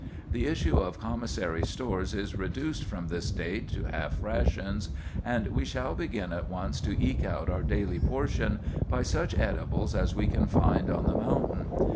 The issue of commissary stores is reduced from this date to half rations, and we shall begin at once to eke out our daily portion by such edibles as we can find on the mountain.